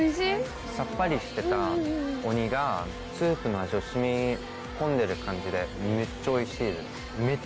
さっぱりしてたオニがスープの味を染み込んでる感じでめっちゃおいしいです。